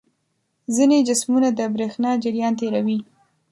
ځینې جسمونه د برېښنا جریان تیروي.